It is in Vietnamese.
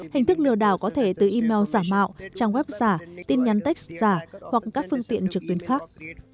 hình thức lừa đảo có thể từ email giả mạo trang web giả tin nhắn tex giả hoặc các phương tiện trực tuyến khác